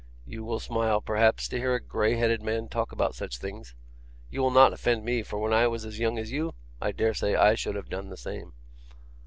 You will smile, perhaps, to hear a grey headed man talk about such things. You will not offend me, for when I was as young as you, I dare say I should have done the same.